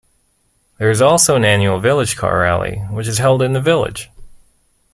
There is also an annual vintage car rally which is held in the village.